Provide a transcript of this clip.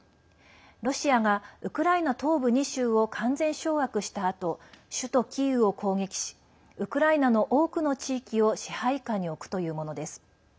ロシアがウクライナ東部２州を完全掌握したあと首都キーウを攻撃しウクライナの多くの地域を支配下に置くというものです。